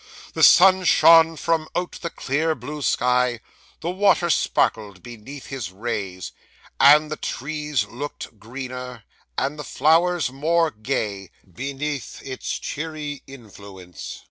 The sun shone from out the clear blue sky, the water sparkled beneath his rays, and the trees looked greener, and the flowers more gay, beneath its cheering influence.